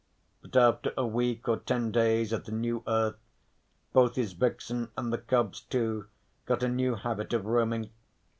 But after a week or ten days at the new earth both his vixen and the cubs, too, got a new habit of roaming.